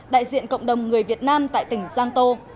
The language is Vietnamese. đại diện cộng đồng người việt nam tại tỉnh giang tô